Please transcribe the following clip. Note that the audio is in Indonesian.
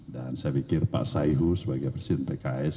dan saya pikir pak saihu sebagai presiden pks